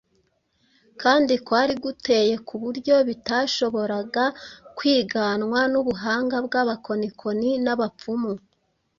kandi kwari guteye ku buryo bitashoboraga kwiganwa n’ubuhanga bw’abakonikoni n’abapfumu.